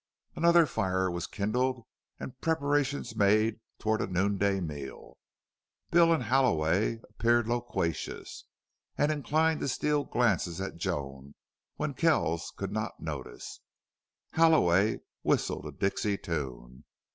Another fire was kindled and preparations made toward a noonday meal. Bill and Halloway appeared loquacious, and inclined to steal glances at Joan when Kells could not notice. Halloway whistled a Dixie tune.